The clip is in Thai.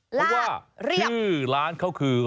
เพราะว่าคือร้านคือ